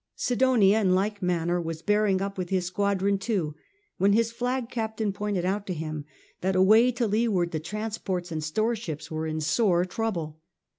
Sidonia in like manner was bearing up with his squadron too when his flag captain pointed out to him that away to leeward the transports and storeships were in sore trouble.